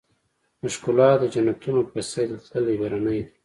د ښــــــــکلا د جنــــــتونو په ســـــــېل تللـــــــی برنی دی